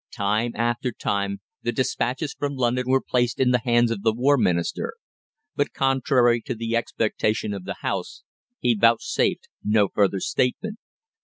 Time after time the despatches from London were placed in the hands of the War Minister, but, contrary to the expectation of the House, he vouchsafed no further statement.